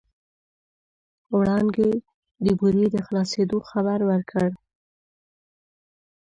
وړانګې د بورې د خلاصېدو خبر ورکړ.